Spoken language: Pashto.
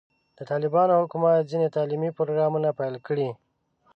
د طالبانو حکومت ځینې تعلیمي پروګرامونه پیل کړي.